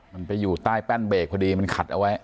มันไปอยู่ใต้แป้นเบรกพอดีมันขัดเอาไว้